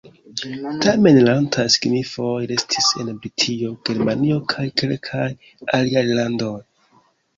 Tamen la antaŭaj signifoj restis en Britio, Germanio kaj kelkaj aliaj landoj.